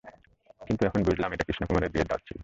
কিন্তু এখন বুঝলাম এটা কৃষ্ণা কুমারের বিয়ের দাওয়া ছিল।